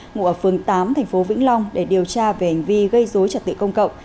ngủ ở phường tám thành phố vĩnh long để điều tra về hành vi gây dối trật tự công cộng